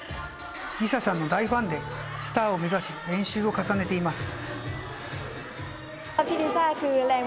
ＬＩＳＡさんの大ファンでスターを目指し練習を重ねています。